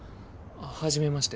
初めまして。